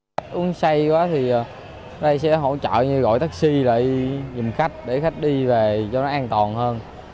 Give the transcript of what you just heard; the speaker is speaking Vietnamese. nếu khách say quá thì đây sẽ hỗ trợ như gọi taxi lại giùm khách để khách đi về cho nó an toàn hơn